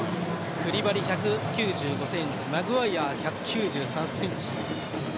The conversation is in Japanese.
クリバリ、１９５ｃｍマグワイア、１９３ｃｍ。